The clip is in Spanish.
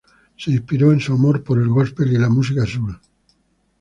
Se inspiró en su amor por el gospel y la música soul.